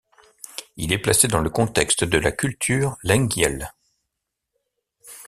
Il est placé dans le contexte de la culture Lengyel.